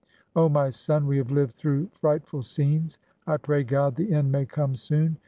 Oh, my son, we have lived through frightful scenes ! I pray God, the end may come soon!